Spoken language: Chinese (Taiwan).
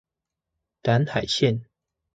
藍海線